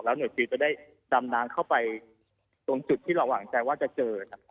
แล้วหน่วยฟิวจะได้ดำน้ำเข้าไปตรงจุดที่เราหวังใจว่าจะเจอ